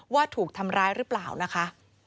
ว่าถูกทำร้ายหรือเปล่านะคะ